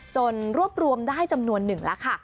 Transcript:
รวบรวมได้จำนวนหนึ่งแล้วค่ะ